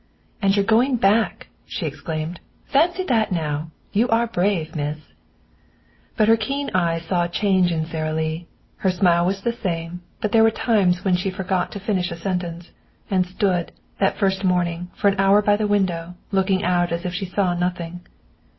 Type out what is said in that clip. "And you're going back!" she exclaimed. "Fancy that, now! You are brave, miss." But her keen eyes saw a change in Sara Lee. Her smile was the same, but there were times when she forgot to finish a sentence, and she stood, that first morning, for an hour by the window, looking out as if she saw nothing.